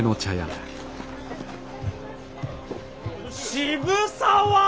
渋沢！